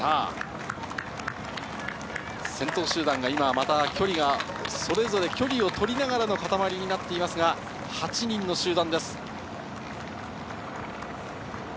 先頭集団がそれぞれ距離を取りながらの固まりになっていますが８人の集団です。